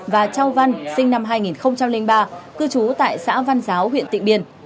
và châu văn sinh năm hai nghìn ba cư trú tại xã văn giáo huyện tịnh biên